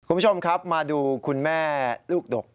คุณผู้ชมครับมาดูคุณแม่ลูกดก